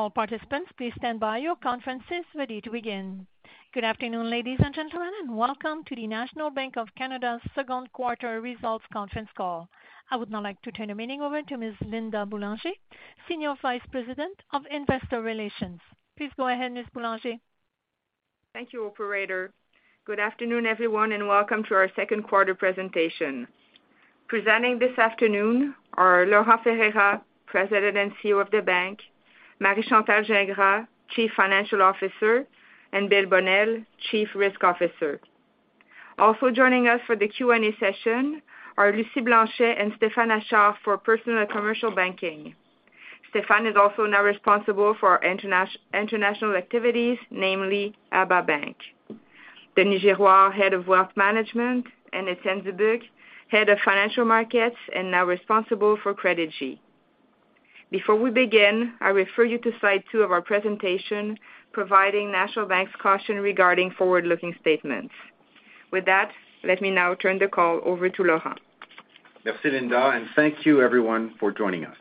All participants, please stand by. Your conference is ready to begin. Good afternoon, ladies and gentlemen, and welcome to the National Bank of Canada's second quarter results conference call. I would now like to turn the meeting over to Ms. Linda Boulanger, Senior Vice President of Investor Relations. Please go ahead, Ms. Boulanger. Thank you, operator. Good afternoon, everyone, and welcome to our second quarter presentation. Presenting this afternoon are Laurent Ferreira, President and CEO of the bank, Marie-Chantal Gingras, Chief Financial Officer, and Bill Bonnell, Chief Risk Officer. Also joining us for the Q&A session are Lucie Blanchet and Stéphane Achard for Personal and Commercial Banking. Stéphane is also now responsible for our international activities, namely, ABA Bank. Denis Girouard, Head of Wealth Management, and Étienne Dubuc, Head of Financial Markets, and now responsible for Credigy. Before we begin, I refer you to slide two of our presentation, providing National Bank's caution regarding forward-looking statements. With that, let me now turn the call over to Laurent. Merci, Linda. Thank you everyone for joining us.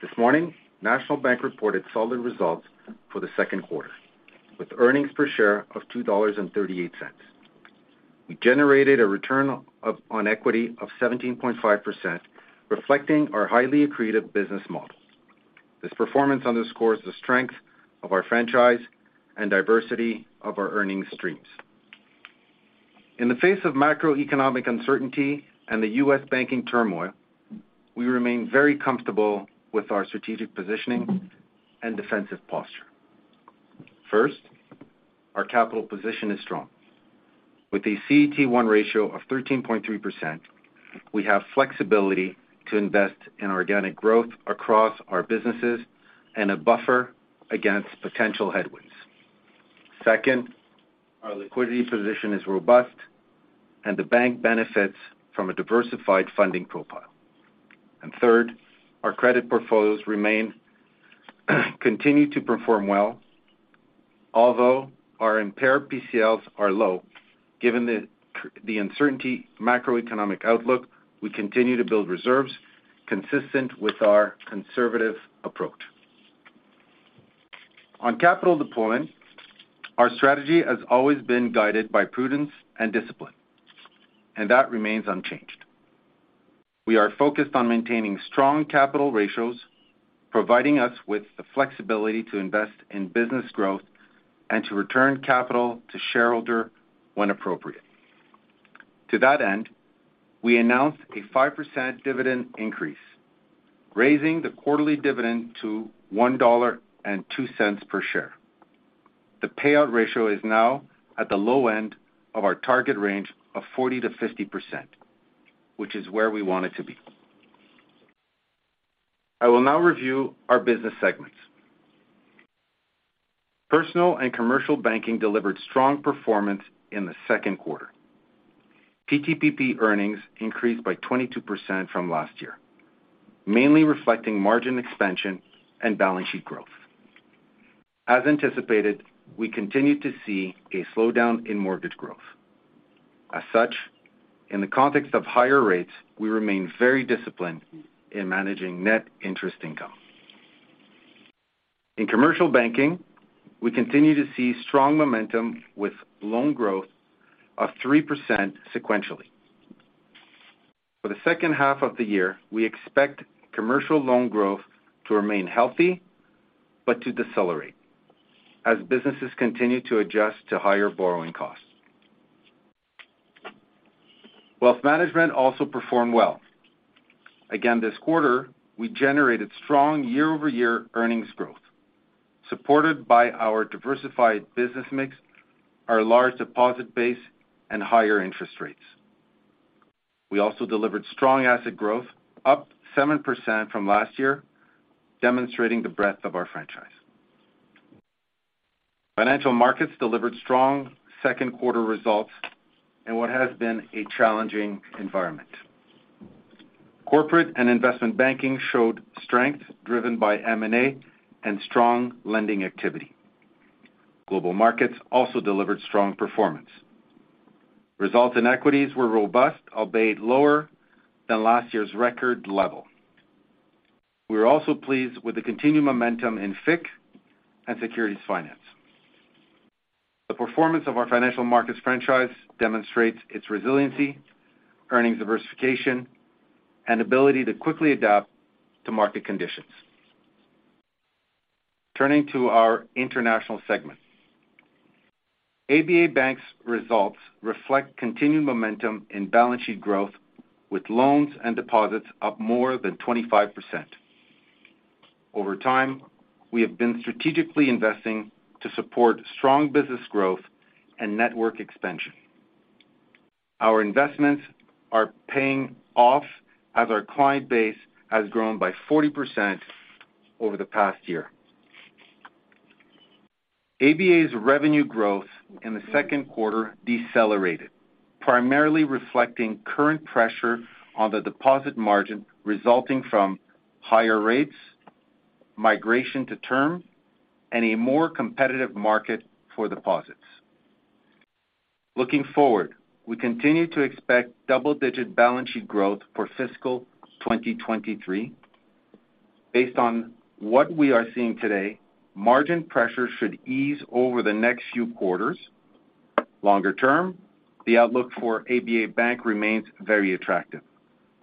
This morning, National Bank reported solid results for the second quarter, with earnings per share of 2.38 dollars. We generated a return on equity of 17.5%, reflecting our highly accretive business model. This performance underscores the strength of our franchise and diversity of our earnings streams. In the face of macroeconomic uncertainty and the U.S. banking turmoil, we remain very comfortable with our strategic positioning and defensive posture. First, our capital position is strong. With a CET1 ratio of 13.3%, we have flexibility to invest in organic growth across our businesses and a buffer against potential headwinds. Second, our liquidity position is robust, and the bank benefits from a diversified funding profile. Third, our credit portfolios continue to perform well, although our impaired PCLs are low. Given the uncertainty macroeconomic outlook, we continue to build reserves consistent with our conservative approach. On capital deployment, our strategy has always been guided by prudence and discipline, and that remains unchanged. We are focused on maintaining strong capital ratios, providing us with the flexibility to invest in business growth and to return capital to shareholder when appropriate. To that end, we announced a 5% dividend increase, raising the quarterly dividend to 1.02 dollar per share. The payout ratio is now at the low end of our target range of 40%-50%, which is where we want it to be. I will now review our business segments. Personal and Commercial Banking delivered strong performance in the second quarter. PTPP earnings increased by 22% from last year, mainly reflecting margin expansion and balance sheet growth. As anticipated, we continued to see a slowdown in mortgage growth. As such, in the context of higher rates, we remain very disciplined in managing net interest income. In Commercial Banking, we continue to see strong momentum with loan growth of 3% sequentially. For the second half of the year, we expect Commercial loan growth to remain healthy, but to decelerate as businesses continue to adjust to higher borrowing costs. Wealth Management also performed well. Again, this quarter, we generated strong year-over-year earnings growth, supported by our diversified business mix, our large deposit base, and higher interest rates. We also delivered strong asset growth, up 7% from last year, demonstrating the breadth of our franchise. Financial Markets delivered strong second quarter results in what has been a challenging environment. Corporate and Investment Banking showed strength driven by M&A and strong lending activity. Global Markets also delivered strong performance. Results in equities were robust, albeit lower than last year's record level. We're also pleased with the continued momentum in FIC and securities finance. The performance of our financial markets franchise demonstrates its resiliency, earnings diversification, and ability to quickly adapt to market conditions. Turning to our International segment. ABA Bank's results reflect continued momentum in balance sheet growth, with loans and deposits up more than 25%. Over time, we have been strategically investing to support strong business growth and network expansion. Our investments are paying off as our client base has grown by 40% over the past year. ABA's revenue growth in the second quarter decelerated, primarily reflecting current pressure on the deposit margin, resulting from higher rates, migration to term, and a more competitive market for deposits. Looking forward, we continue to expect double-digit balance sheet growth for fiscal 2023. Based on what we are seeing today, margin pressure should ease over the next few quarters. Longer term, the outlook for ABA Bank remains very attractive,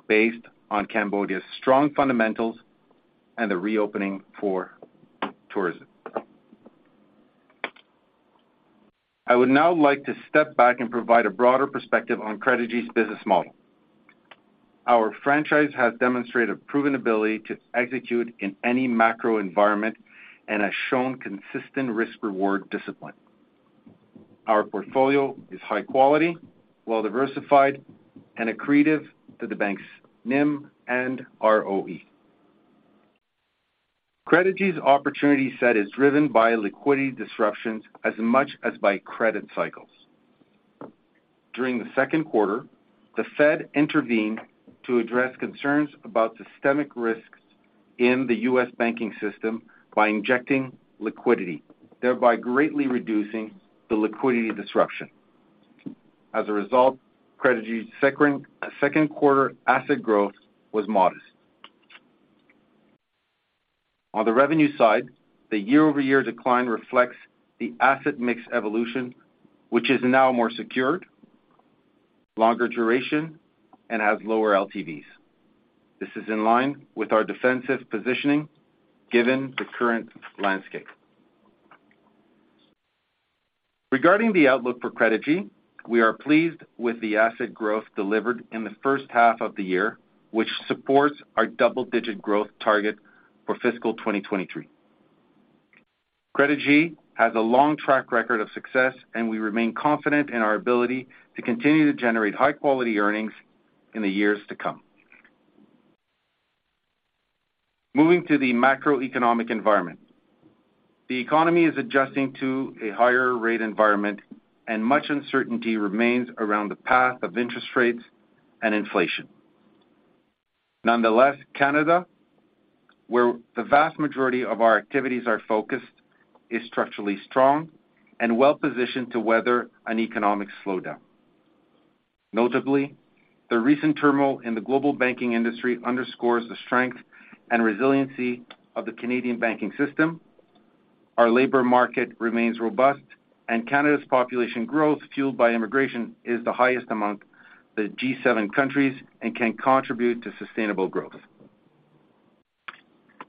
based on Cambodia's strong fundamentals and the reopening for tourism. I would now like to step back and provide a broader perspective on Credigy's business model. Our franchise has demonstrated a proven ability to execute in any macro environment and has shown consistent risk-reward discipline. Our portfolio is high quality, well-diversified, and accretive to the bank's NIM and ROE. Credigy's opportunity set is driven by liquidity disruptions as much as by credit cycles. During the second quarter, the Fed intervened to address concerns about systemic risks in the U.S. banking system by injecting liquidity, thereby greatly reducing the liquidity disruption. As a result, Credigy's second quarter asset growth was modest. On the revenue side, the year-over-year decline reflects the asset mix evolution, which is now more secured, longer duration, and has lower LTVs. This is in line with our defensive positioning, given the current landscape. Regarding the outlook for Credigy, we are pleased with the asset growth delivered in the first half of the year, which supports our double-digit growth target for fiscal 2023. Credigy has a long track record of success, and we remain confident in our ability to continue to generate high-quality earnings in the years to come. Moving to the macroeconomic environment. The economy is adjusting to a higher rate environment, and much uncertainty remains around the path of interest rates and inflation. Nonetheless, Canada, where the vast majority of our activities are focused, is structurally strong and well-positioned to weather an economic slowdown. Notably, the recent turmoil in the global banking industry underscores the strength and resiliency of the Canadian banking system. Our labor market remains robust, Canada's population growth, fueled by immigration, is the highest among the G7 countries and can contribute to sustainable growth.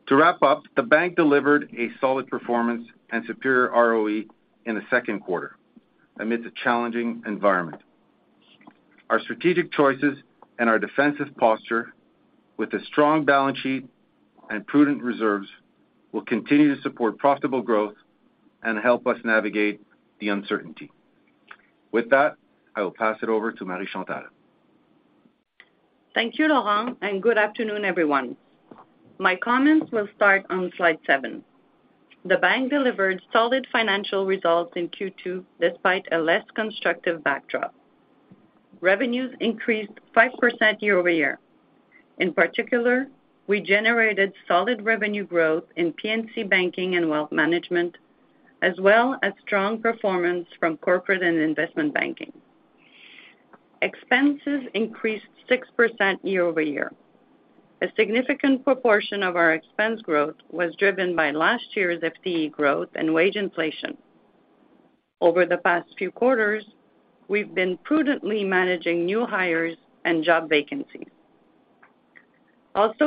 To wrap up, the bank delivered a solid performance and superior ROE in the second quarter amid a challenging environment. Our strategic choices and our defensive posture, with a strong balance sheet and prudent reserves, will continue to support profitable growth and help us navigate the uncertainty. With that, I will pass it over to Marie-Chantal. Thank you, Laurent. Good afternoon, everyone. My comments will start on slide seven. The bank delivered solid financial results in Q2, despite a less constructive backdrop. Revenues increased 5% year-over-year. In particular, we generated solid revenue growth in P&C Banking and Wealth Management, as well as strong performance from corporate and investment banking. Expenses increased 6% year-over-year. A significant proportion of our expense growth was driven by last year's FTE growth and wage inflation. Over the past few quarters, we've been prudently managing new hires and job vacancies.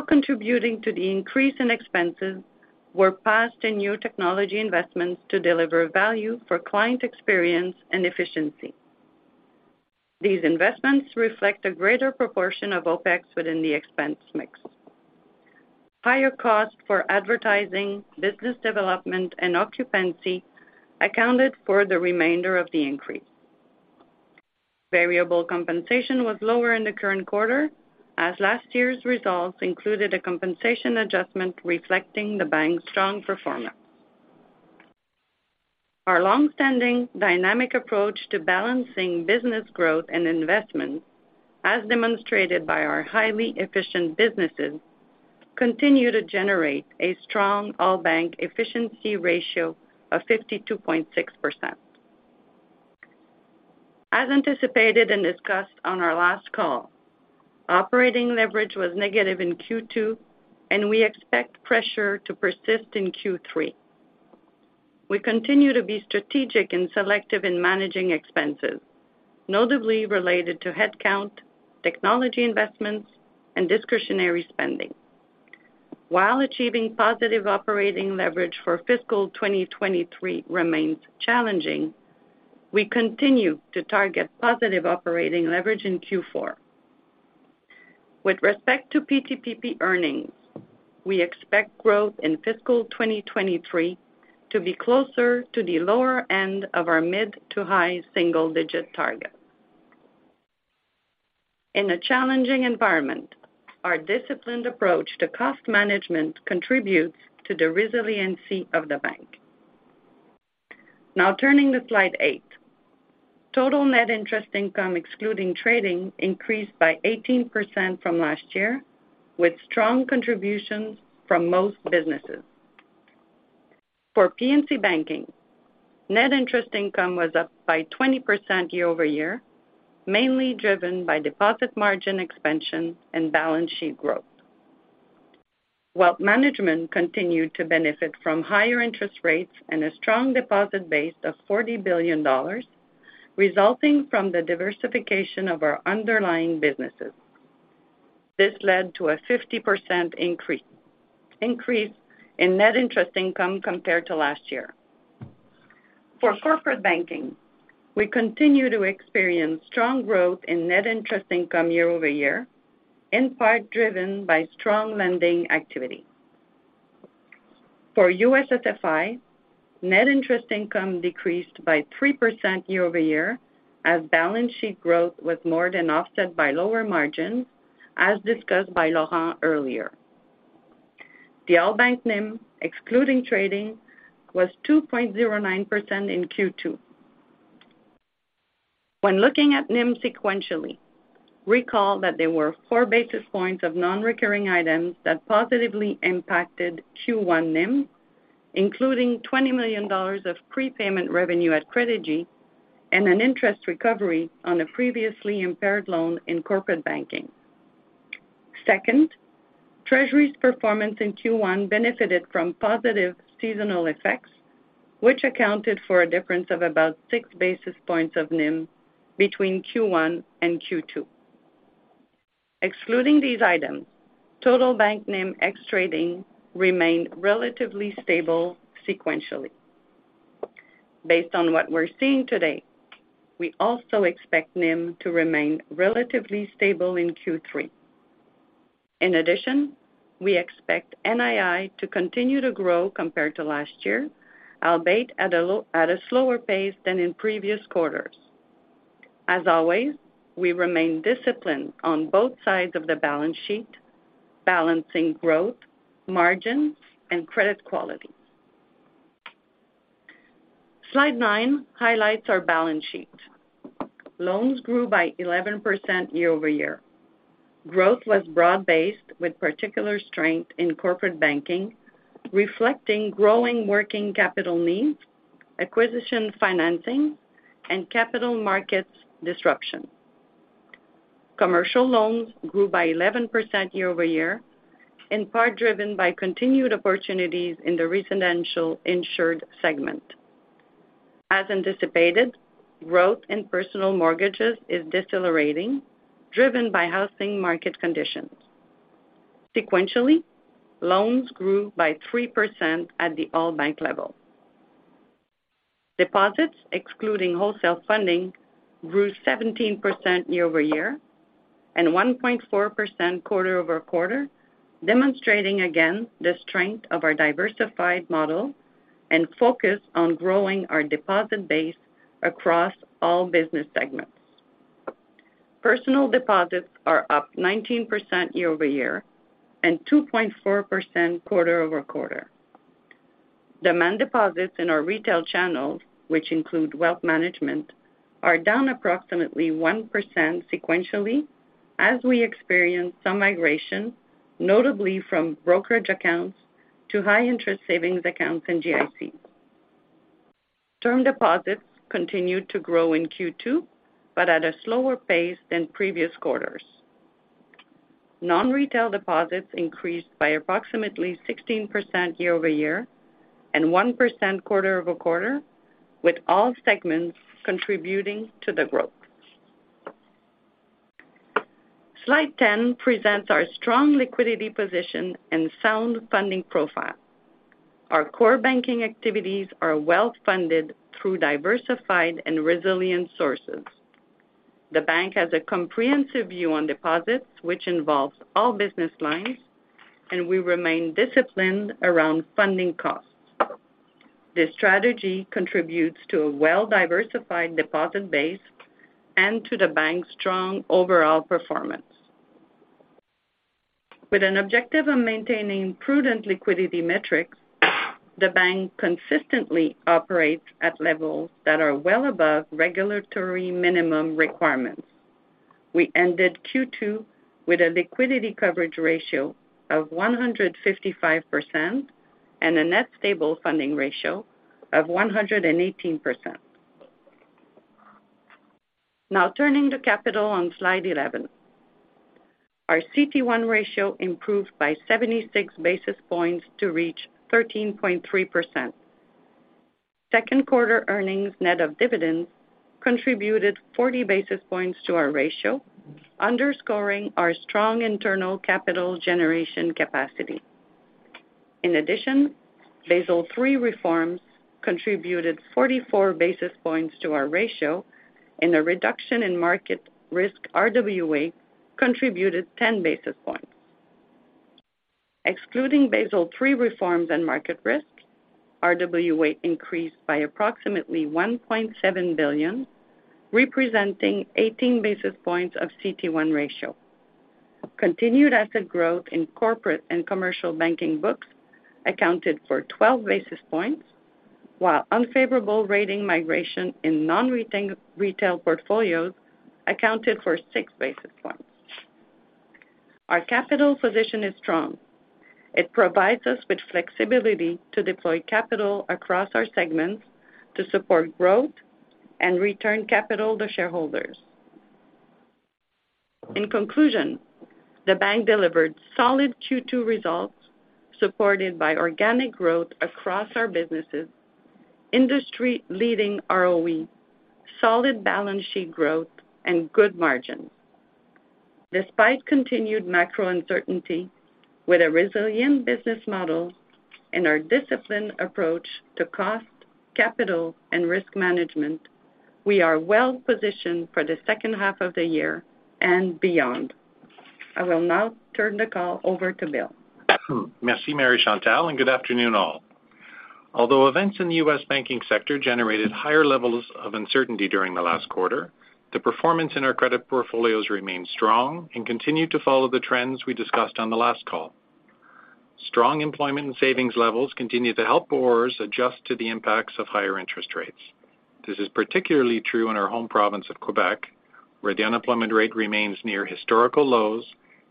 Contributing to the increase in expenses were past and new technology investments to deliver value for client experience and efficiency. These investments reflect a greater proportion of OpEx within the expense mix. Higher costs for advertising, business development, and occupancy accounted for the remainder of the increase. Variable compensation was lower in the current quarter, as last year's results included a compensation adjustment reflecting the bank's strong performance. Our long-standing dynamic approach to balancing business growth and investment, as demonstrated by our highly efficient businesses, continue to generate a strong all-bank efficiency ratio of 52.6%. As anticipated and discussed on our last call, operating leverage was negative in Q2, and we expect pressure to persist in Q3. We continue to be strategic and selective in managing expenses, notably related to headcount, technology investments, and discretionary spending. While achieving positive operating leverage for fiscal 2023 remains challenging, we continue to target positive operating leverage in Q4. With respect to PTPP earnings, we expect growth in fiscal 2023 to be closer to the lower end of our mid to high single-digit target. In a challenging environment, our disciplined approach to cost management contributes to the resiliency of the bank. Turning to slide eight. Total net interest income, excluding trading, increased by 18% from last year, with strong contributions from most businesses. For P&C Banking, net interest income was up by 20% year-over-year, mainly driven by deposit margin expansion and balance sheet growth. Wealth Management continued to benefit from higher interest rates and a strong deposit base of 40 billion dollars, resulting from the diversification of our underlying businesses. This led to a 50% increase in net interest income compared to last year. For corporate banking, we continue to experience strong growth in net interest income year-over-year, in part driven by strong lending activity. For U.S. SFI, net interest income decreased by 3% year-over-year, as balance sheet growth was more than offset by lower margins, as discussed by Laurent earlier. The all bank NIM, excluding trading, was 2.09% in Q2. Looking at NIM sequentially, recall that there were 4 basis points of non-recurring items that positively impacted Q1 NIM, including $20 million of prepayment revenue at Credigy and an interest recovery on a previously impaired loan in corporate banking. Treasury's performance in Q1 benefited from positive seasonal effects, which accounted for a difference of about 6 basis points of NIM between Q1 and Q2. Excluding these items, total bank NIM ex-trading remained relatively stable sequentially. Based on what we're seeing today, we also expect NIM to remain relatively stable in Q3. In addition, we expect NII to continue to grow compared to last year, albeit at a slower pace than in previous quarters. As always, we remain disciplined on both sides of the balance sheet, balancing growth, margins, and credit quality. Slide nine highlights our balance sheet. Loans grew by 11% year-over-year. Growth was broad-based, with particular strength in corporate banking, reflecting growing working capital needs, acquisition financing, and capital markets disruption. Commercial loans grew by 11% year-over-year, in part driven by continued opportunities in the residential insured segment. As anticipated, growth in personal mortgages is decelerating, driven by housing market conditions. Sequentially, loans grew by 3% at the all bank level. Deposits, excluding wholesale funding, grew 17% year-over-year and 1.4% quarter-over-quarter, demonstrating again the strength of our diversified model and focus on growing our deposit base across all business segments. Personal deposits are up 19% year-over-year and 2.4% quarter-over-quarter. Demand deposits in our retail channels, which include Wealth Management, are down approximately 1% sequentially, as we experienced some migration, notably from brokerage accounts to high interest savings accounts and GICs. Term deposits continued to grow in Q2, but at a slower pace than previous quarters. Non-retail deposits increased by approximately 16% year-over-year and 1% quarter-over-quarter, with all segments contributing to the growth. Slide 10 presents our strong liquidity position and sound funding profile. Our core banking activities are well-funded through diversified and resilient sources. The bank has a comprehensive view on deposits, which involves all business lines, and we remain disciplined around funding costs. This strategy contributes to a well-diversified deposit base and to the bank's strong overall performance. With an objective of maintaining prudent liquidity metrics, the bank consistently operates at levels that are well above regulatory minimum requirements. We ended Q2 with a liquidity coverage ratio of 155% and a net stable funding ratio of 118%. Turning to capital on slide 11. Our CET1 ratio improved by 76 basis points to reach 13.3%. Second quarter earnings, net of dividends, contributed 40 basis points to our ratio, underscoring our strong internal capital generation capacity. Basel III reforms contributed 44 basis points to our ratio, and a reduction in market risk RWA contributed 10 basis points. Excluding Basel III reforms and market risk, RWA increased by approximately 1.7 billion, representing 18 basis points of CET1 ratio. Continued asset growth in corporate and Commercial Banking books accounted for 12 basis points, while unfavorable rating migration in non-rating retail portfolios accounted for 6 basis points. Our capital position is strong. It provides us with flexibility to deploy capital across our segments to support growth and return capital to shareholders. In conclusion, the bank delivered solid Q2 results, supported by organic growth across our businesses, industry-leading ROE, solid balance sheet growth, and good margins. Despite continued macro uncertainty, with a resilient business model and our disciplined approach to cost, capital, and risk management, we are well-positioned for the second half of the year and beyond. I will now turn the call over to Bill. Merci, Marie-Chantal, and good afternoon, all. Although events in the U.S. banking sector generated higher levels of uncertainty during the last quarter, the performance in our credit portfolios remained strong and continued to follow the trends we discussed on the last call. Strong employment and savings levels continue to help borrowers adjust to the impacts of higher interest rates. This is particularly true in our home province of Quebec, where the unemployment rate remains near historical lows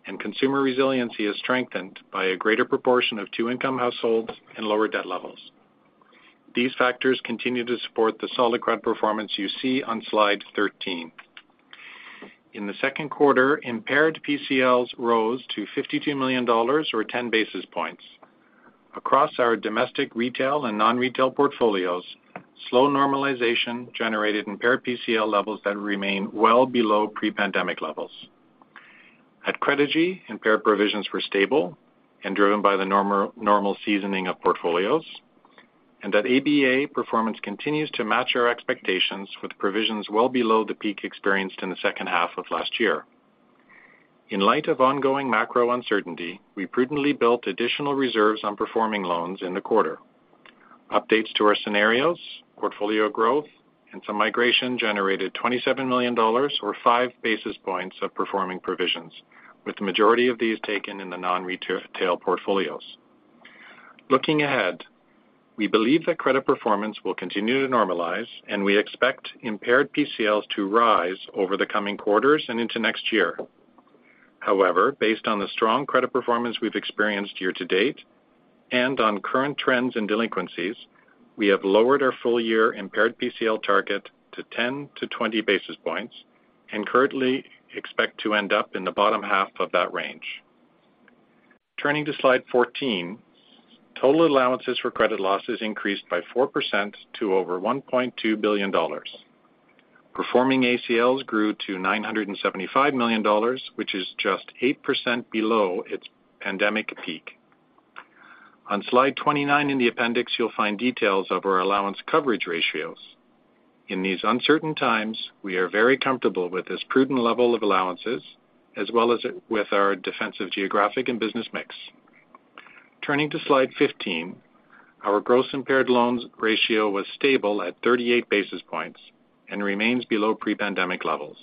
and consumer resiliency is strengthened by a greater proportion of two-income households and lower debt levels. These factors continue to support the solid credit performance you see on slide 13. In the second quarter, impaired PCLs rose to 52 million dollars or 10 basis points. Across our domestic, retail, and non-retail portfolios, slow normalization generated impaired PCL levels that remain well below pre-pandemic levels. At Credigy, impaired provisions were stable and driven by the normal seasoning of portfolios. At ABA, performance continues to match our expectations, with provisions well below the peak experienced in the second half of last year. In light of ongoing macro uncertainty, we prudently built additional reserves on performing loans in the quarter. Updates to our scenarios, portfolio growth, and some migration generated 27 million dollars or 5 basis points of performing provisions, with the majority of these taken in the non-retail portfolios. Looking ahead, we believe that credit performance will continue to normalize, and we expect impaired PCLs to rise over the coming quarters and into next year. Based on the strong credit performance we've experienced year-to-date and on current trends in delinquencies, we have lowered our full-year impaired PCL target to 10 basis points-20 basis points and currently expect to end up in the bottom half of that range. Turning to slide 14, total allowances for credit losses increased by 4% to over $1.2 billion. Performing ACLs grew to $975 million, which is just 8% below its pandemic peak. On slide 29 in the appendix, you'll find details of our allowance coverage ratios. In these uncertain times, we are very comfortable with this prudent level of allowances, as well as with our defensive geographic and business mix. Turning to slide 15, our gross impaired loans ratio was stable at 38 basis points and remains below pre-pandemic levels.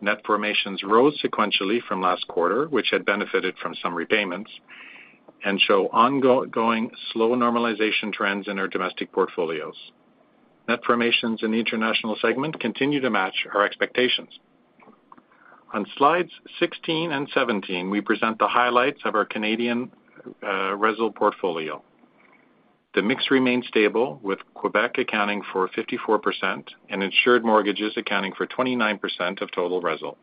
Net formations rose sequentially from last quarter, which had benefited from some repayments, and show ongoing slow normalization trends in our domestic portfolios. Net formations in the international segment continue to match our expectations. On slides 16 and 17, we present the highlights of our Canadian RESL portfolio. The mix remains stable, with Quebec accounting for 54% and insured mortgages accounting for 29% of total RESL.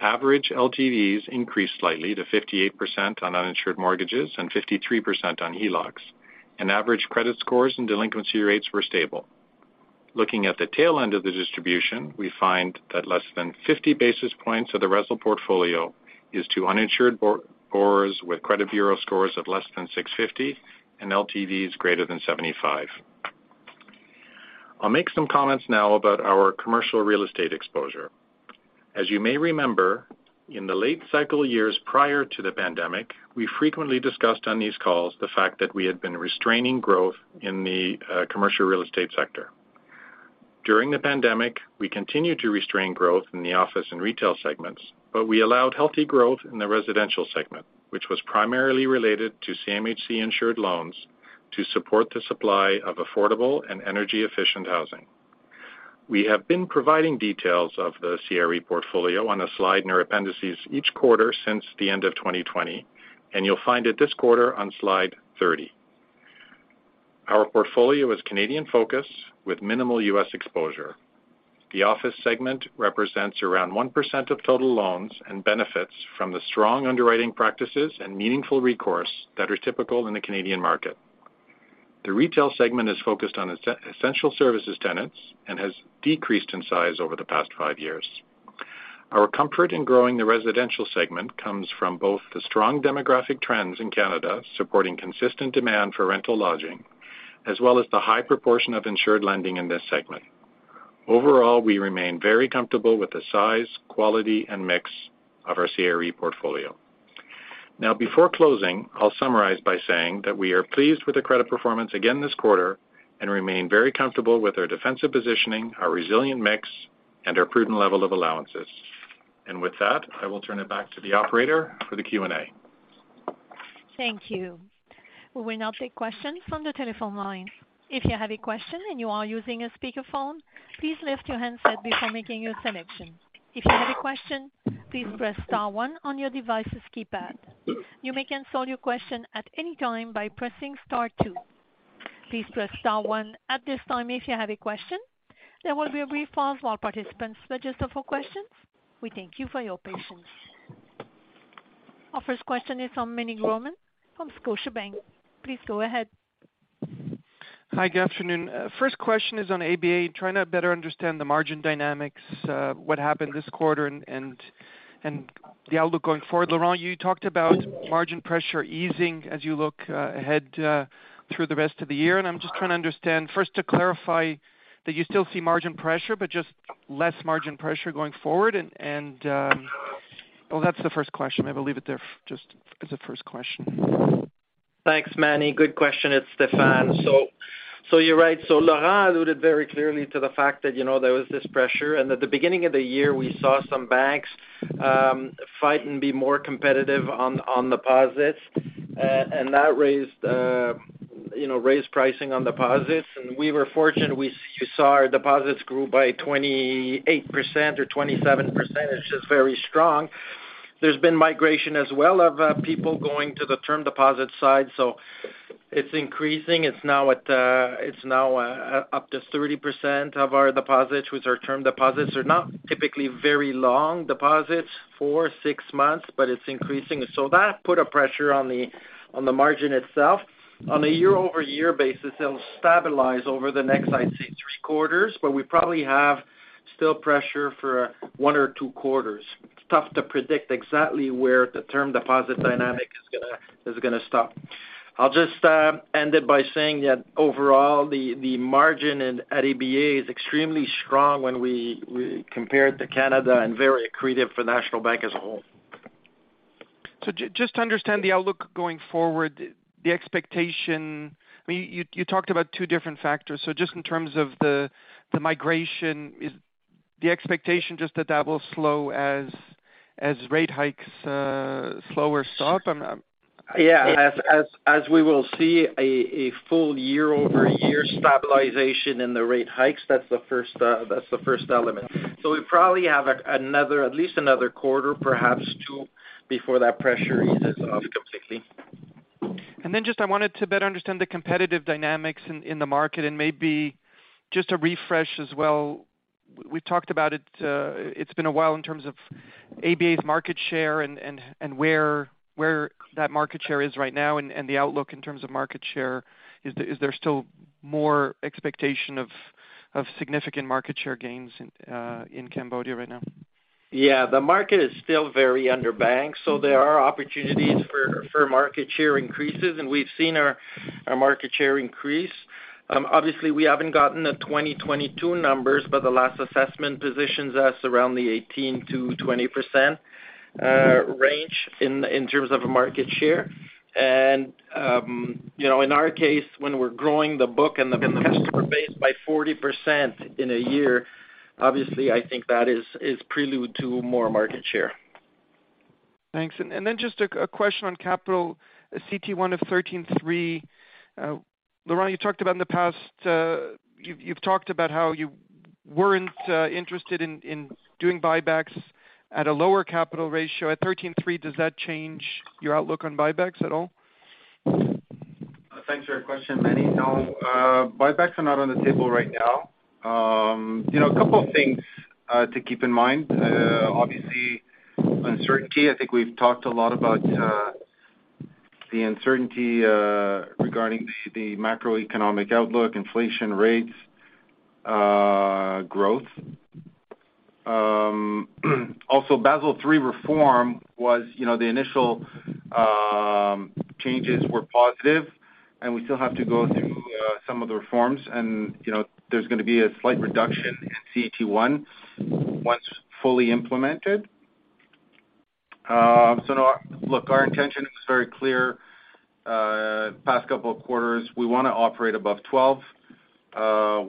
Average LTVs increased slightly to 58% on uninsured mortgages and 53% on HELOCs, and average credit scores and delinquency rates were stable. Looking at the tail end of the distribution, we find that less than 50 basis points of the RESL portfolio is to uninsured borrowers with credit bureau scores of less than 650 and LTVs greater than 75. I'll make some comments now about our commercial real estate exposure. As you may remember, in the late cycle years prior to the pandemic, we frequently discussed on these calls the fact that we had been restraining growth in the commercial real estate sector. During the pandemic, we continued to restrain growth in the office and retail segments, but we allowed healthy growth in the residential segment, which was primarily related to CMHC-insured loans, to support the supply of affordable and energy-efficient housing. We have been providing details of the CRE portfolio on a slide in our appendices each quarter since the end of 2020, and you'll find it this quarter on slide 30. Our portfolio is Canadian-focused, with minimal U.S. exposure. The office segment represents around 1% of total loans and benefits from the strong underwriting practices and meaningful recourse that are typical in the Canadian market. The retail segment is focused on essential services tenants and has decreased in size over the past five years. Our comfort in growing the residential segment comes from both the strong demographic trends in Canada, supporting consistent demand for rental lodging, as well as the high proportion of insured lending in this segment. Overall, we remain very comfortable with the size, quality, and mix of our CRE portfolio. Now, before closing, I'll summarize by saying that we are pleased with the credit performance again this quarter and remain very comfortable with our defensive positioning, our resilient mix, and our prudent level of allowances. With that, I will turn it back to the operator for the Q&A. Thank you. We will now take questions from the telephone line. If you have a question and you are using a speakerphone, please lift your handset before making your selection. If you have a question, please press star one on your device's keypad. You may cancel your question at any time by pressing star two. Please press star one at this time if you have a question. There will be a brief pause while participants register for questions. We thank you for your patience. Our first question is from Meny Grauman from Scotiabank. Please go ahead. Hi, good afternoon. First question is on ABA, trying to better understand the margin dynamics, what happened this quarter and the outlook going forward? Laurent, you talked about margin pressure easing as you look ahead through the rest of the year, and I'm just trying to understand, first to clarify, that you still see margin pressure, but just less margin pressure going forward? Well, that's the first question. Maybe I'll leave it there just as a first question. Thanks, Meny. Good question. It's Stéphane. You're right. Laurent alluded very clearly to the fact that, you know, there was this pressure. At the beginning of the year, we saw some banks fight and be more competitive on deposits. That raised, you know, raised pricing on deposits. We were fortunate, we saw our deposits grew by 28% or 27%, which is very strong. There's been migration as well of people going to the term deposit side, so it's increasing. It's now at, it's now up to 30% of our deposits, which are term deposits, are not typically very long deposits, four, six months, but it's increasing. That put a pressure on the margin itself. On a year-over-year basis, it'll stabilize over the next, I'd say, three quarters. We probably have still pressure for one or two quarters. It's tough to predict exactly where the term deposit dynamic is gonna stop. I'll just end it by saying that overall the margin at ABA is extremely strong when we compare it to Canada and very accretive for National Bank as a whole. Just to understand the outlook going forward, the expectation. I mean, you talked about two different factors. Just in terms of the migration, is the expectation just that that will slow as rate hikes slow or stop? Yeah, as we will see a full year-over-year stabilization in the rate hikes, that's the first, that's the first element. We probably have another, at least another quarter, perhaps two, before that pressure eases off completely. Just I wanted to better understand the competitive dynamics in the market, and maybe just to refresh as well. We've talked about it's been a while in terms of ABA's market share and where that market share is right now and the outlook in terms of market share. Is there still more expectation of significant market share gains in Cambodia right now? The market is still very underbanked. There are opportunities for market share increases. We've seen our market share increase. Obviously we haven't gotten the 2022 numbers, but the last assessment positions us around the 18%-20% range in terms of market share. You know, in our case, when we're growing the book and the customer base by 40% in a year, obviously, I think that is prelude to more market share. Thanks. Then just a question on capital, CET1 of 13.3%. Laurent, you talked about in the past, you've talked about how you weren't interested in doing buybacks at a lower capital ratio. At 13.3%, does that change your outlook on buybacks at all? Thanks for your question, Meny. No, buybacks are not on the table right now. You know, a couple of things to keep in mind. Obviously, uncertainty, I think we've talked a lot about the uncertainty regarding the macroeconomic outlook, inflation rates, growth. Also, Basel III reform was, you know, the initial changes were positive, and we still have to go through some of the reforms and, you know, there's gonna be a slight reduction in CET1 once fully implemented. No, look, our intention is very clear. Past couple of quarters, we wanna operate above 12.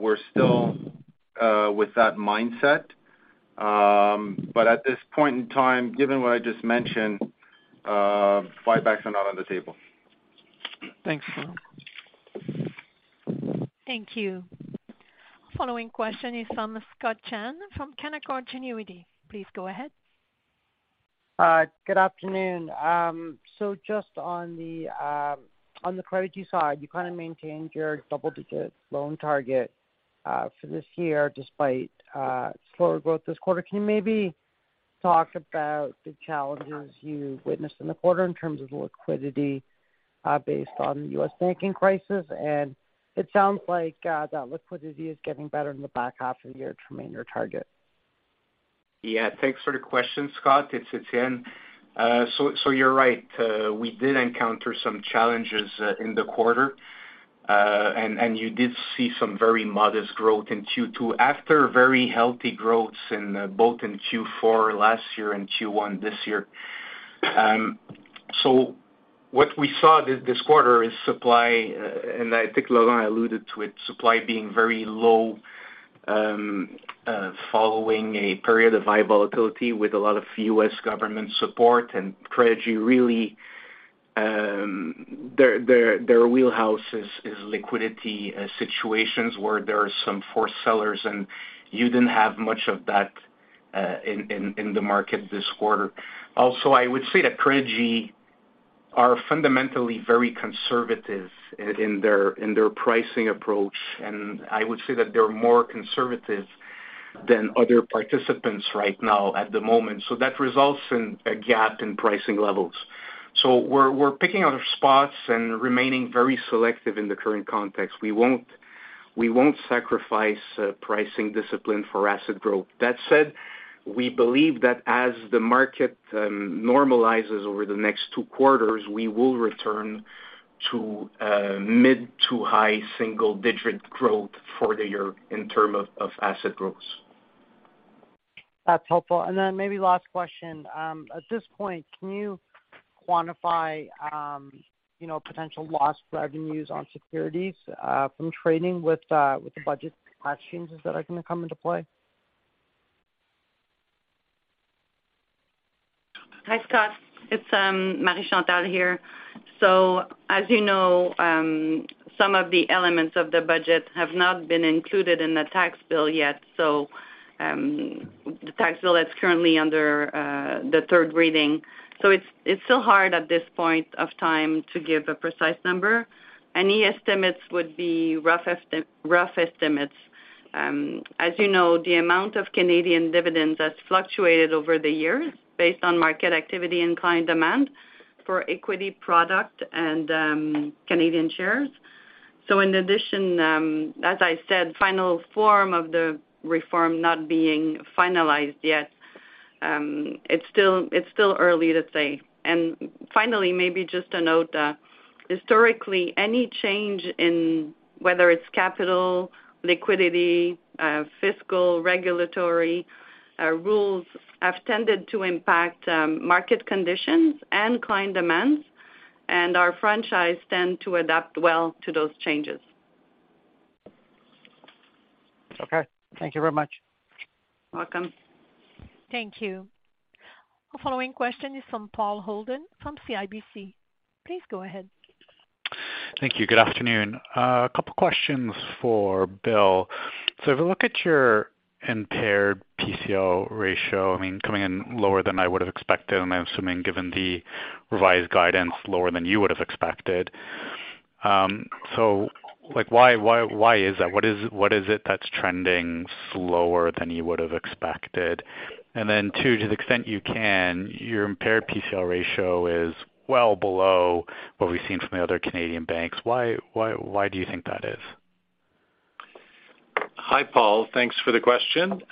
We're still with that mindset, but at this point in time, given what I just mentioned, buybacks are not on the table. Thanks, Laurent. Thank you. Following question is from Scott Chan from Canaccord Genuity. Please go ahead. Good afternoon. Just on the credit side, you kind of maintained your double-digit loan target for this year, despite slower growth this quarter. Can you maybe talk about the challenges you witnessed in the quarter in terms of liquidity, based on the U.S. banking crisis? It sounds like that liquidity is getting better in the back half of the year to meet your target. Thanks for the question, Scott, it's Stéphane. You're right, we did encounter some challenges in the quarter. You did see some very modest growth in Q2 after very healthy growths in both Q4 last year and Q1 this year. What we saw this quarter is supply, and I think Laurent alluded to it, supply being very low following a period of high volatility with a lot of U.S. government support, and Credigy really, their wheelhouse is liquidity situations where there are some forced sellers, and you didn't have much of that in the market this quarter. Also, I would say that Credigy are fundamentally very conservative in their pricing approach, and I would say that they're more conservative than other participants right now at the moment. That results in a gap in pricing levels. We're picking our spots and remaining very selective in the current context. We won't sacrifice pricing discipline for asset growth. That said, we believe that as the market normalizes over the next two quarters, we will return to mid to high single-digit growth for the year in term of asset growth. That's helpful. Maybe last question. At this point, can you quantify, you know, potential loss for revenues on securities, from trading with the budget tax changes that are gonna come into play? Hi, Scott, it's Marie-Chantal here. As you know, some of the elements of the budget have not been included in the tax bill yet. The tax bill is currently under the third reading. It's still hard at this point of time to give a precise number. Any estimates would be rough estimates. As you know, the amount of Canadian dividends has fluctuated over the years based on market activity and client demand for equity product and Canadian shares. In addition, as I said, final form of the reform not being finalized yet, it's still early to say. Finally, maybe just a note, historically, any change in whether it's capital, liquidity, fiscal, regulatory, rules, have tended to impact market conditions and client demands, and our franchise tend to adapt well to those changes. Okay. Thank you very much. Welcome. Thank you. Our following question is from Paul Holden from CIBC. Please go ahead. Thank you. Good afternoon. A couple questions for Bill. If I look at your impaired PCL ratio, I mean, coming in lower than I would have expected, I'm assuming, given the revised guidance, lower than you would have expected. Like, why is that? What is it that's trending slower than you would have expected? Then two, to the extent you can, your impaired PCL ratio is well below what we've seen from the other Canadian banks. Why do you think that is? Hi, Paul. Thanks for the question.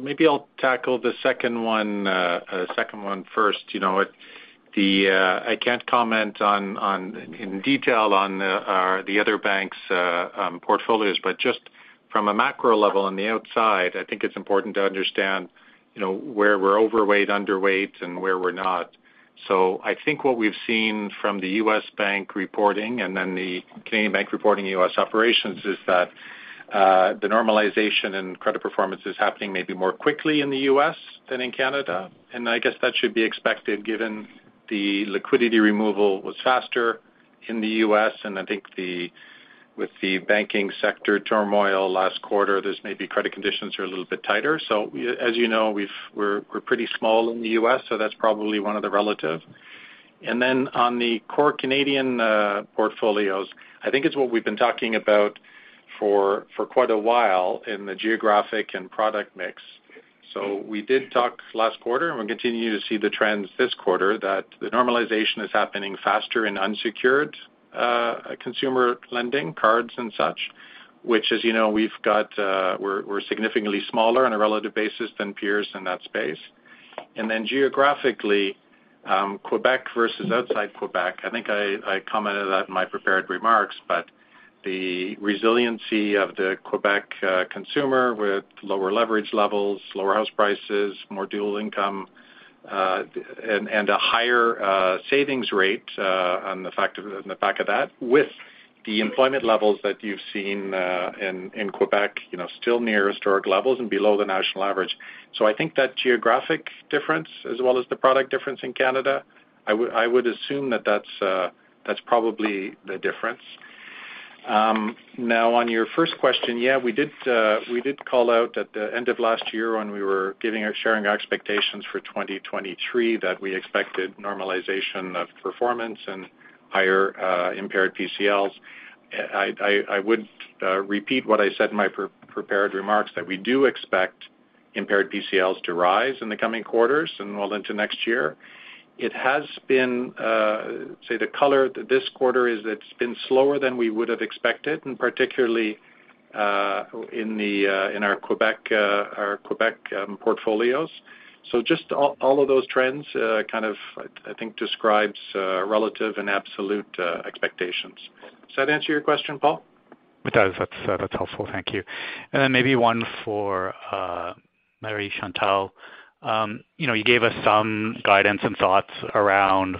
maybe I'll tackle the second one, second one first. You know, I can't comment on, in detail on, the other banks' portfolios, but just from a macro level on the outside, I think it's important to understand, you know, where we're overweight, underweight, and where we're not. I think what we've seen from the U.S. bank reporting and then the Canadian bank reporting U.S. operations, is that the normalization in credit performance is happening maybe more quickly in the U.S. than in Canada. I guess that should be expected given the liquidity removal was faster in the U.S., and I think with the banking sector turmoil last quarter, there's maybe credit conditions are a little bit tighter. We, as you know, we're pretty small in the U.S., so that's probably one of the relative. On the core Canadian portfolios, I think it's what we've been talking about for quite a while in the geographic and product mix. We did talk last quarter, and we continue to see the trends this quarter, that the normalization is happening faster in unsecured consumer lending, cards and such, which, as you know, we've got, we're significantly smaller on a relative basis than peers in that space. And then geographically, um, Quebec versus outside Quebec, I think I, I commented on that in my prepared remarks, but the resiliency of the Quebec, uh, consumer with lower leverage levels, lower house prices, more dual income, and, and a higher, savings rate, on the fact of- on the back of that, with the employment levels that you've seen in Quebec, you know, still near historic levels and below the national average. So I think that geographic difference as well as the product difference in Canada, I would, I would assume that that's, that's probably the difference. Now on your first question, yeah, we did, we did call out at the end of last year when we were giving our, sharing our expectations for 2023, that we expected normalization of performance and higher, uh, impaired PCLs. I would repeat what I said in my prepared remarks, that we do expect impaired PCLs to rise in the coming quarters and well into next year. It has been, say the color this quarter is it's been slower than we would have expected, and particularly, in our Quebec, our Quebec portfolios. Just all of those trends, kind of, I think describes relative and absolute expectations. Does that answer your question, Paul? It does. That's, that's helpful. Thank you. Then maybe one for Marie-Chantal. You know, you gave us some guidance and thoughts around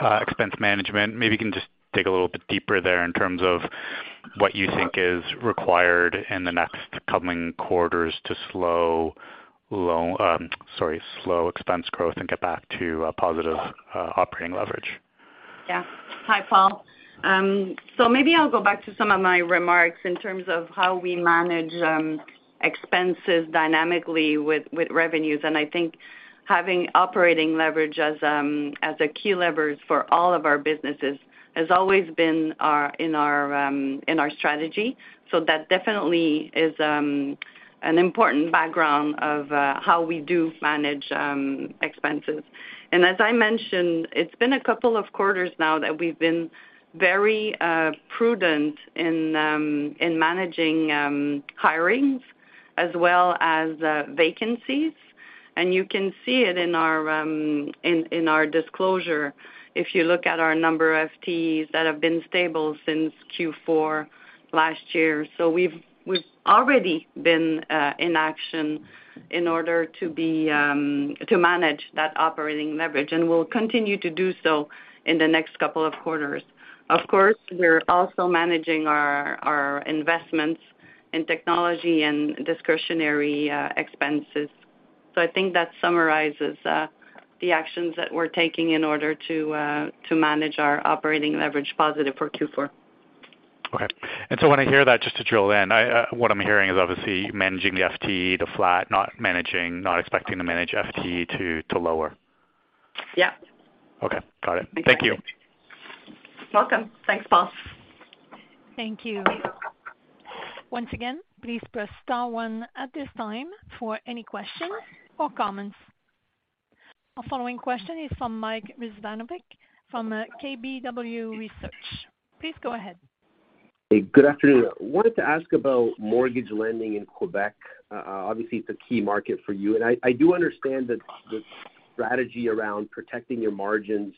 expense management, maybe you can just dig a little bit deeper there in terms of what you think is required in the next coming quarters to slow expense growth and get back to positive operating leverage. Yeah. Hi, Paul. Maybe I'll go back to some of my remarks in terms of how we manage expenses dynamically with revenues. I think having operating leverage as a key leverage for all of our businesses has always been in our strategy. That definitely is an important background of how we do manage expenses. As I mentioned, it's been a couple of quarters now that we've been very prudent in managing hirings as well as vacancies. You can see it in our disclosure if you look at our number of FTEs that have been stable since Q4 last year. We've already been in action in order to be to manage that operating leverage, and we'll continue to do so in the next couple of quarters. Of course, we're also managing our investments in technology and discretionary expenses. I think that summarizes the actions that we're taking in order to to manage our operating leverage positive for Q4. Okay. when I hear that, just to drill in, I, what I'm hearing is obviously managing the FTE to flat, not expecting to manage FTE to lower. Yeah. Okay, got it. Thank you. Welcome. Thanks, Paul. Thank you. Once again, please press star one at this time for any questions or comments. Our following question is from Mike Rizvanovic from KBW Research. Please go ahead. Hey, good afternoon. I wanted to ask about mortgage lending in Quebec. Obviously, it's a key market for you. I do understand that the strategy around protecting your margins,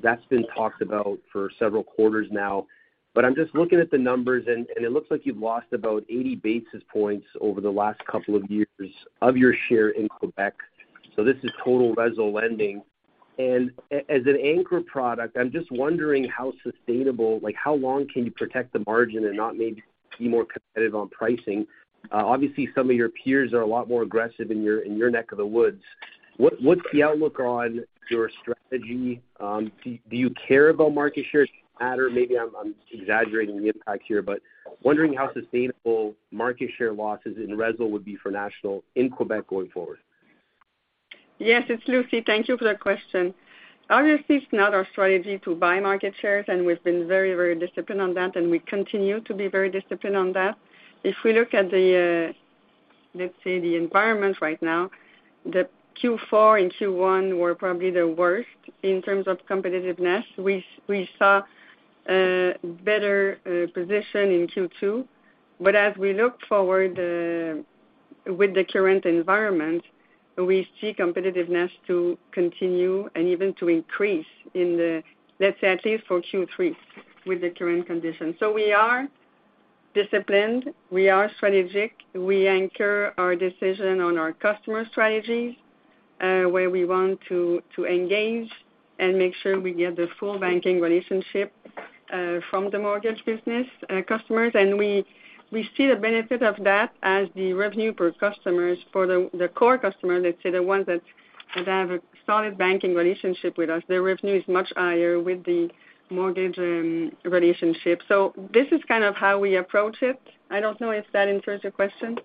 that's been talked about for several quarters now. I'm just looking at the numbers, and it looks like you've lost about 80 basis points over the last couple of years of your share in Quebec. This is total resi lending. As an anchor product, I'm just wondering how sustainable, like, how long can you protect the margin and not maybe be more competitive on pricing? Obviously, some of your peers are a lot more aggressive in your neck of the woods. What, what's the outlook on your strategy? Do you care about market share, or maybe I'm exaggerating the impact here, but wondering how sustainable market share losses in resi would be for National in Quebec going forward? Yes, it's Lucie. Thank you for that question. Obviously, it's not our strategy to buy market shares, and we've been very, very disciplined on that, and we continue to be very disciplined on that. If we look at the, let's say, the environment right now, the Q4 and Q1 were probably the worst in terms of competitiveness. We saw better position in Q2. As we look forward, with the current environment, we see competitiveness to continue and even to increase in the, let's say, at least for Q3 with the current conditions. We are disciplined, we are strategic, we anchor our decision on our customer strategies, where we want to engage and make sure we get the full banking relationship, from the mortgage business, customers. We see the benefit of that as the revenue per customers, for the core customers, let's say, the ones that have a solid banking relationship with us. Their revenue is much higher with the mortgage, relationship. This is kind of how we approach it. I don't know if that answers your question.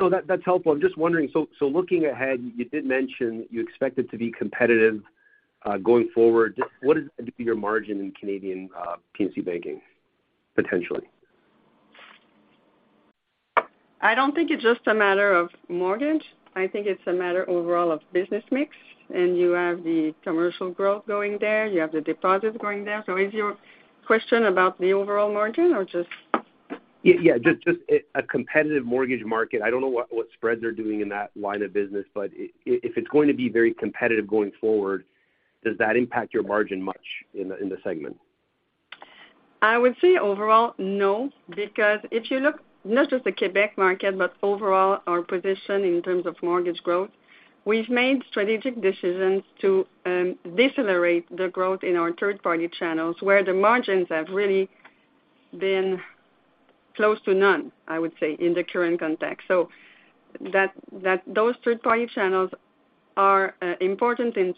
No, that's helpful. I'm just wondering, so looking ahead, you did mention you expected to be competitive, going forward. What is your margin in Canadian P&C Banking, potentially? I don't think it's just a matter of mortgage. I think it's a matter overall of business mix, and you have the commercial growth going there, you have the deposits going there. Is your question about the overall margin or just? Yeah, just a competitive mortgage market. I don't know what spreads are doing in that line of business, but if it's going to be very competitive going forward, does that impact your margin much in the, in the segment? I would say overall, no, because if you look not just the Quebec market, but overall our position in terms of mortgage growth, we've made strategic decisions to decelerate the growth in our third-party channels, where the margins have really been close to none, I would say, in the current context. Those third-party channels are important in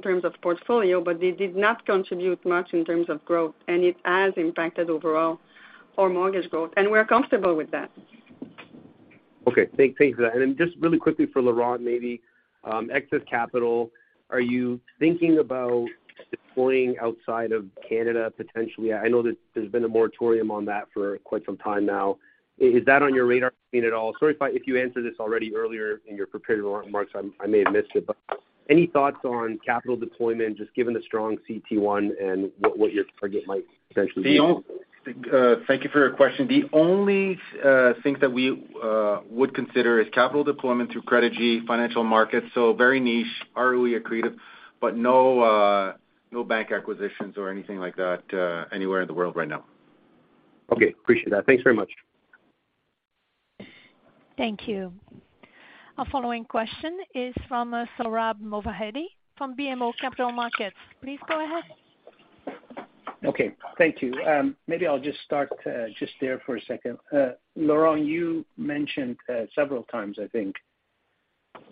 terms of portfolio, but they did not contribute much in terms of growth, and it has impacted overall our mortgage growth, and we're comfortable with that. Okay, thanks for that. Just really quickly for Laurent, maybe, excess capital, are you thinking about deploying outside of Canada potentially? I know that there's been a moratorium on that for quite some time now. Is that on your radar screen at all? Sorry if you answered this already earlier in your prepared remarks, I may have missed it. Any thoughts on capital deployment, just given the strong CET1 and what your target might potentially be? Thank you for your question. The only thing that we would consider is capital deployment through Credigy financial markets, so very niche, highly accretive, but no bank acquisitions or anything like that anywhere in the world right now. Okay, appreciate that. Thanks very much. Thank you. Our following question is from Sohrab Movahedi from BMO Capital Markets. Please go ahead. Thank you. Maybe I'll just start just there for a second. Laurent, you mentioned several times, I think,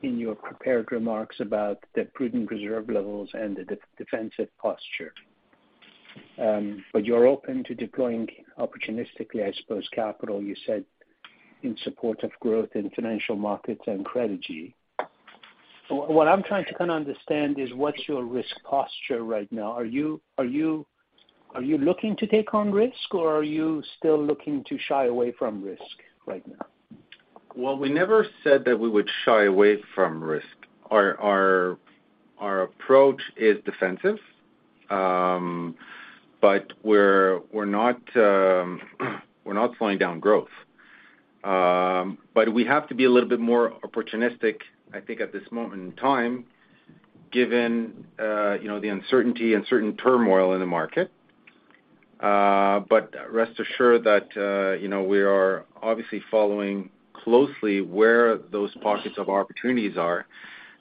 in your prepared remarks about the prudent reserve levels and the defensive posture. You're open to deploying opportunistically, I suppose, capital, you said, in support of growth in financial markets and Credigy. What I'm trying to kind of understand is what's your risk posture right now? Are you looking to take on risk, or are you still looking to shy away from risk right now? Well, we never said that we would shy away from risk. Our approach is defensive, but we're not slowing down growth. We have to be a little bit more opportunistic, I think, at this moment in time, given, you know, the uncertainty and certain turmoil in the market. Rest assured that, you know, we are obviously following closely where those pockets of opportunities are,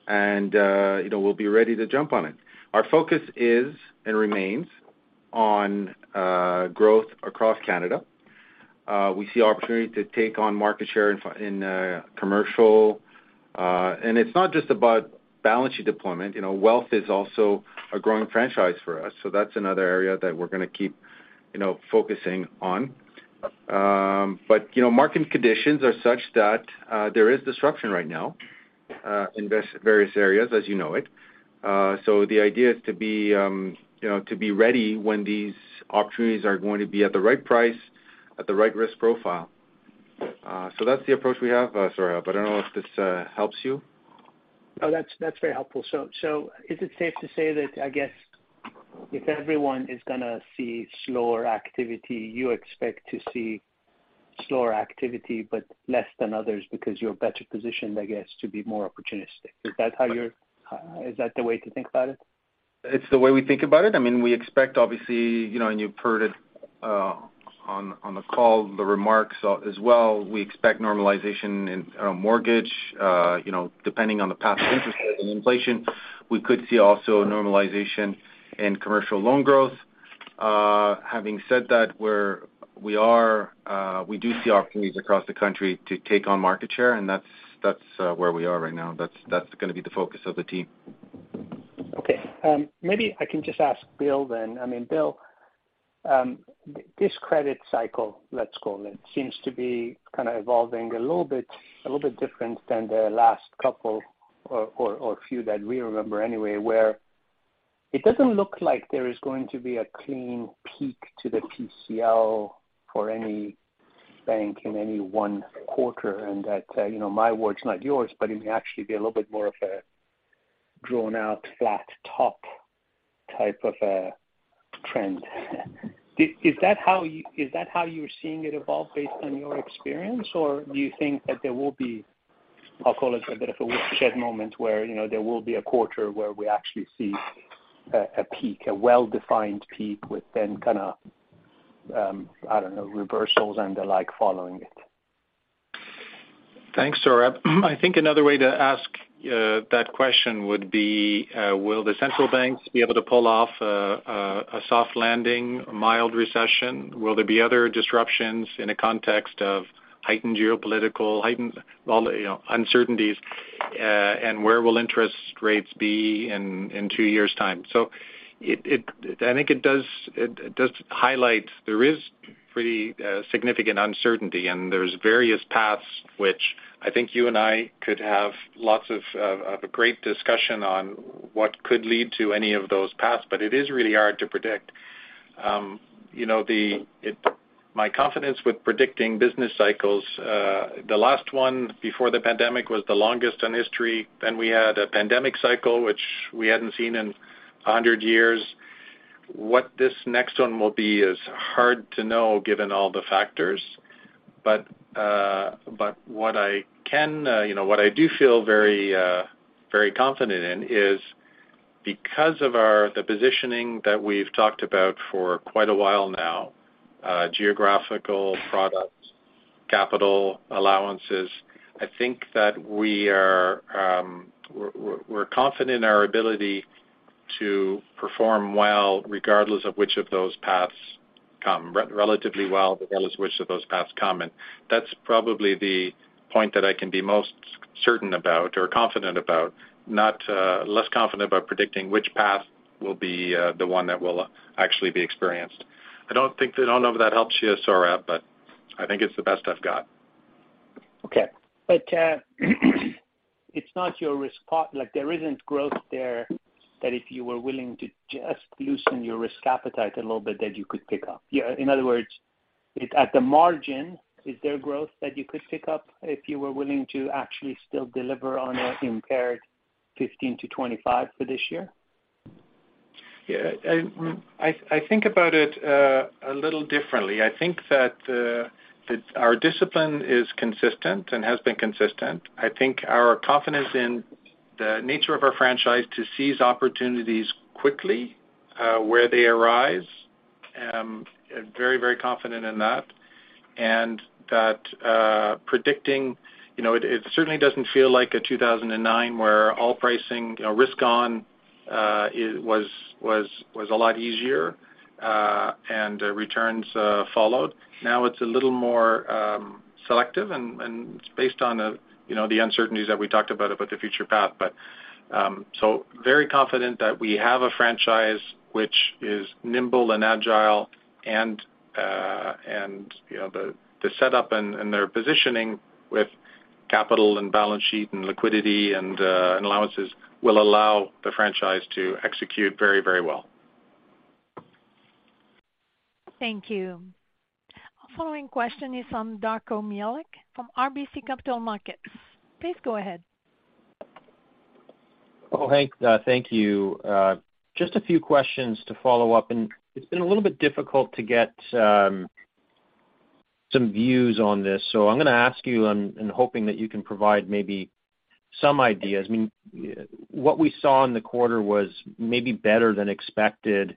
and, you know, we'll be ready to jump on it. Our focus is, and remains on, growth across Canada. We see opportunity to take on market share in commercial. It's not just about balance sheet deployment. You know, wealth is also a growing franchise for us, so that's another area that we're gonna keep, you know, focusing on. You know, market conditions are such that, there is disruption right now, in various areas, as you know it. The idea is to be, you know, to be ready when these opportunities are going to be at the right price, at the right risk profile. That's the approach we have, Sohrab, I don't know if this helps you. That's very helpful. Is it safe to say that, I guess, if everyone is gonna see slower activity, you expect to see slower activity, but less than others because you're better positioned, I guess, to be more opportunistic? Is that how you're. Is that the way to think about it? It's the way we think about it. I mean, we expect obviously, you know, and you've heard it, on the call, the remarks as well, we expect normalization in, mortgage. You know, depending on the path of interest rates and inflation, we could see also normalization in commercial loan growth. Having said that, we are, we do see opportunities across the country to take on market share, and that's, where we are right now. That's, that's gonna be the focus of the team. Okay. Maybe I can just ask Bill then. I mean, Bill, this credit cycle, let's call it, seems to be kind of evolving a little bit different than the last couple or few that we remember anyway, where it doesn't look like there is going to be a clean peak to the PCL for any bank in any one quarter, and that, you know, my words, not yours, but it may actually be a little bit more of a drawn-out flat top type of a trend. Is that how you're seeing it evolve based on your experience? Do you think that there will be, I'll call it a bit of a watershed moment where, you know, there will be a quarter where we actually see a peak, a well-defined peak with then kind of, I don't know, reversals and the like following it? Thanks, Sohrab. I think another way to ask that question would be, will the central banks be able to pull off a soft landing, a mild recession? Will there be other disruptions in a context of heightened geopolitical, heightened, well, you know, uncertainties, and where will interest rates be in two years' time? It, I think it does highlight there is pretty significant uncertainty, and there's various paths which I think you and I could have lots of a great discussion on what could lead to any of those paths, but it is really hard to predict. You know, the, my confidence with predicting business cycles, the last one before the pandemic was the longest in history, then we had a pandemic cycle, which we hadn't seen in 100 years. What this next one will be is hard to know, given all the factors. What I can, you know, what I do feel very, very confident in is because of our, the positioning that we've talked about for quite a while now, geographical products, capital allowances, I think that we are, we're confident in our ability to perform well, regardless of which of those paths come. Relatively well, regardless of which of those paths come, and that's probably the point that I can be most certain about or confident about. Not less confident about predicting which path will be the one that will actually be experienced. I don't know if that helps you, Sohrab, but I think it's the best I've got. It's not your risk like, there isn't growth there, that if you were willing to just loosen your risk appetite a little bit, that you could pick up. Yeah, in other words, it, at the margin, is there growth that you could pick up if you were willing to actually still deliver on an impaired 15-25 for this year? Yeah, I think about it a little differently. I think that our discipline is consistent and has been consistent. I think our confidence in the nature of our franchise to seize opportunities quickly where they arise. I am very confident in that, and that predicting, you know, it certainly doesn't feel like a 2009, where all pricing, risk on, it was a lot easier, and returns followed. Now it's a little more selective and it's based on the, you know, the uncertainties that we talked about the future path. Very confident that we have a franchise which is nimble and agile and, you know, the setup and their positioning with capital and balance sheet and liquidity and allowances will allow the franchise to execute very, very well. Thank you. Our following question is from Darko Mihelic from RBC Capital Markets. Please go ahead. Hey, thank you. Just a few questions to follow up, and it's been a little bit difficult to get some views on this, so I'm gonna ask you, and hoping that you can provide maybe some ideas. I mean, what we saw in the quarter was maybe better than expected,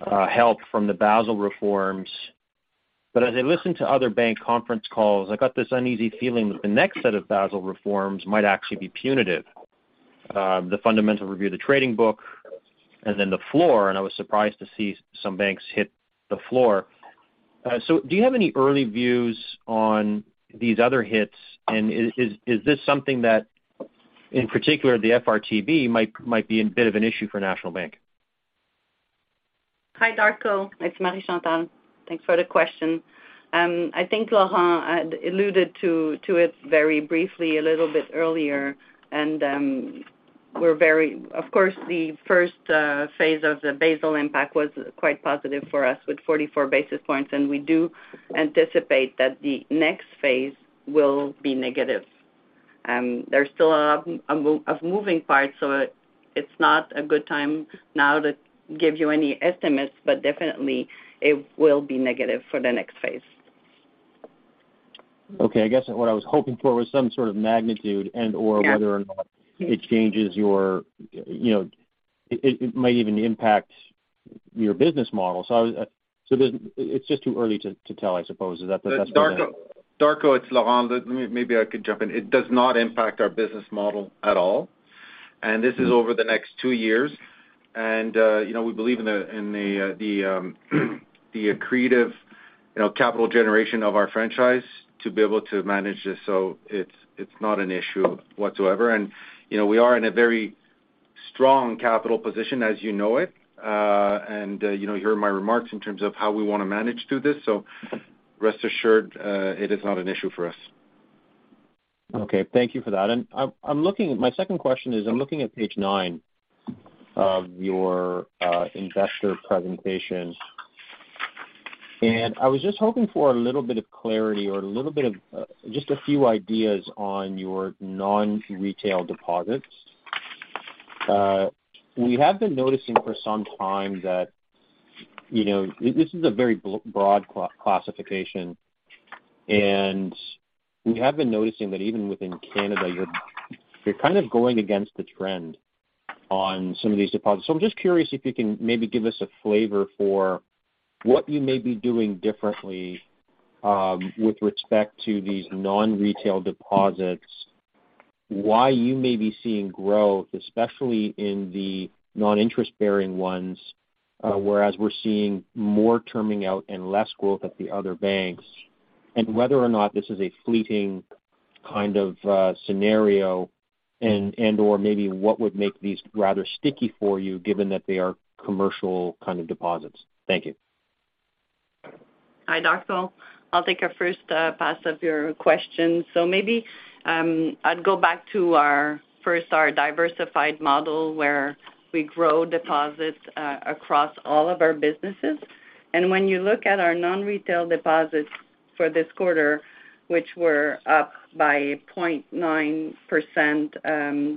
help from the Basel reforms. As I listened to other bank conference calls, I got this uneasy feeling that the next set of Basel reforms might actually be punitive. The fundamental review of the trading book and then the floor, and I was surprised to see some banks hit the floor. Do you have any early views on these other hits? Is this something that, in particular, the FRTB might be a bit of an issue for National Bank? Hi, Darko, it's Marie-Chantal. Thanks for the question. I think Laurent had alluded to it very briefly a little bit earlier, and Of course, the first phase of the Basel impact was quite positive for us, with 44 basis points, and we do anticipate that the next phase will be negative. There's still a of moving parts, so it's not a good time now to give you any estimates, but definitely it will be negative for the next phase. Okay, I guess what I was hoping for was some sort of magnitude. Yeah. whether or not it changes your, you know, it might even impact your business model. It's just too early to tell, I suppose. Is that the best way to- Darko, it's Laurent. Maybe I could jump in. It does not impact our business model at all, and this is over the next two years. You know, we believe in the accretive, you know, capital generation of our franchise to be able to manage this. It's not an issue whatsoever. You know, we are in a very strong capital position, as you know it, and, you know, you heard my remarks in terms of how we want to manage through this. Rest assured, it is not an issue for us. Okay, thank you for that. I'm looking. My second question is, I'm looking at page nine of your investor presentation, I was just hoping for a little bit of clarity or a little bit of just a few ideas on your non-retail deposits. We have been noticing for some time that, you know, this is a very broad classification, and we have been noticing that even within Canada, you're kind of going against the trend on some of these deposits. I'm just curious if you can maybe give us a flavor for what you may be doing differently, with respect to these non-retail deposits, why you may be seeing growth, especially in the non-interest bearing ones, whereas we're seeing more terming out and less growth at the other banks, and whether or not this is a fleeting kind of scenario and/or maybe what would make these rather sticky for you, given that they are commercial kind of deposits. Thank you. Hi, Darko. I'll take a first pass of your question. Maybe, I'd go back to our, first, our diversified model, where we grow deposits across all of our businesses. And when you look at our non-retail deposits for this quarter, which were up by 0.9%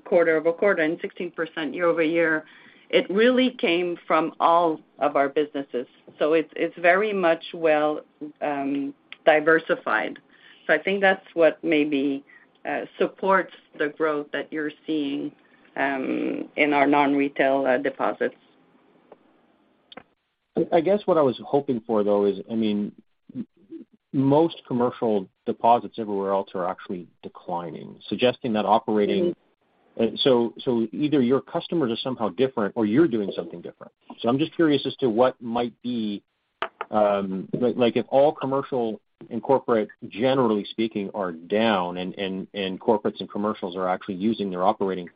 quarter-over-quarter and 16% year-over-year, it really came from all of our businesses. It's, it's very much well diversified. I think that's what maybe supports the growth that you're seeing in our non-retail deposits. I guess what I was hoping for, though, is, I mean, most commercial deposits everywhere else are actually declining, suggesting that operating. Either your customers are somehow different or you're doing something different. I'm just curious as to what might be, like if all commercial and corporate, generally speaking, are down and corporates and commercials are actually using their operating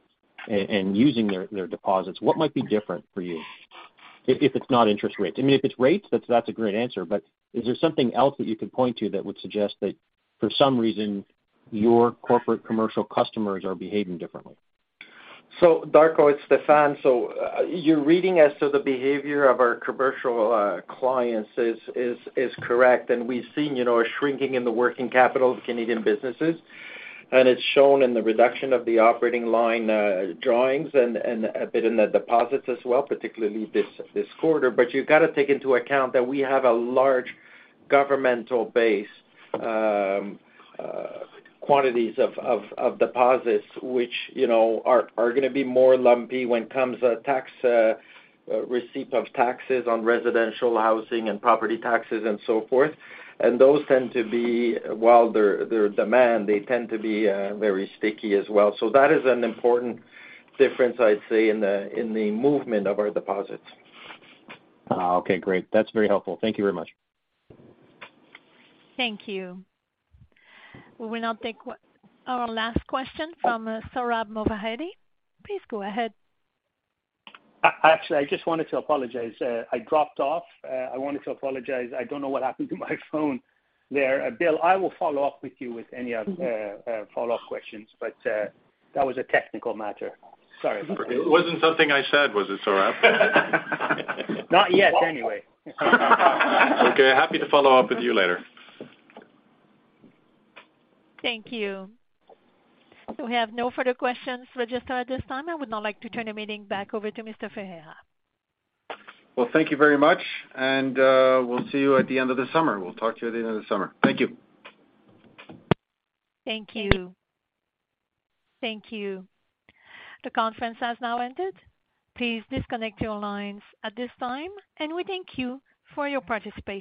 and using their deposits, what might be different for you, if it's not interest rates? I mean, if it's rates, that's a great answer, but is there something else that you could point to that would suggest that for some reason, your corporate commercial customers are behaving differently? Darko, it's Stéphane. You're reading as to the behavior of our commercial clients is correct, and we've seen, you know, a shrinking in the working capital of Canadian businesses, and it's shown in the reduction of the operating line drawings and a bit in the deposits as well, particularly this quarter. You've got to take into account that we have a large governmental base quantities of deposits, which, you know, are gonna be more lumpy when comes the tax receipt of taxes on residential housing and property taxes and so forth. Those tend to be, while they're demand, they tend to be very sticky as well. That is an important difference, I'd say, in the movement of our deposits. Okay, great. That's very helpful. Thank you very much. Thank you. We will now take our last question from Sohrab Movahedi. Please go ahead. Actually, I just wanted to apologize. I dropped off. I wanted to apologize. I don't know what happened to my phone there. Bill, I will follow up with you with any other follow-up questions, but that was a technical matter. Sorry about that. It wasn't something I said, was it, Sohrab? Not yet, anyway. Okay, happy to follow up with you later. Thank you. We have no further questions with us at this time. I would now like to turn the meeting back over to Mr. Ferreira. Well, thank you very much, and we'll see you at the end of the summer. We'll talk to you at the end of the summer. Thank you. Thank you. Thank you. The conference has now ended. Please disconnect your lines at this time, and we thank you for your participation.